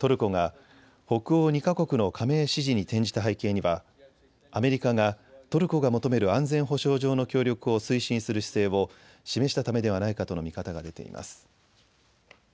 トルコが北欧２か国の加盟支持に転じた背景にはアメリカが、トルコが求める安全保障上の協力を推進する姿勢を示したためではないかとの見方が出ています。